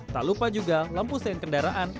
tak lupa juga lampu stain kendaraan